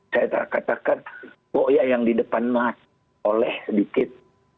saya katakan oh iya yang di depan mas oleh sedikit